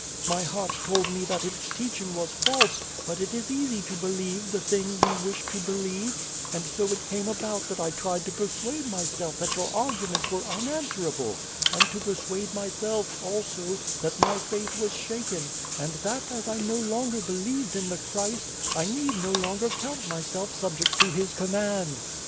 My heart told me that its teaching was false, but it is easy to believe the 206 and the Devil thing we wish to believe ; and so it came about that I tried to persuade myself that your arguments were unanswerable, and to persuade myself, also, that my faith was shaken, and that as I no longer believed in the Christ, I need no longer count myself subject to His command.